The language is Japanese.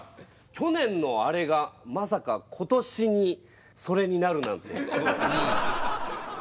去年のあれがまさか今年にそれになるなんて。